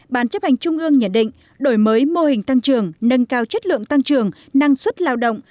một mươi hai bàn chấp hành trung ương nhận định đổi mới mô hình tăng trường nâng cao chất lượng tăng trường năng suất lao động